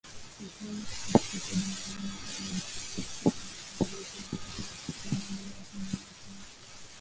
Islamic State siku ya Jumanne lilidai kuhusika na shambulizi lililoua takribani raia kumi na watano